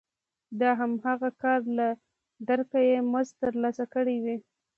د هماغه کار له درکه یې مزد ترلاسه کړی وي